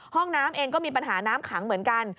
ห้องน้ำเองก็มีปัญหาน้ำขังเหมือนกัน